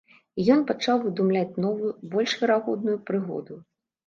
І ён пачаў выдумляць новую, больш верагодную прыгоду.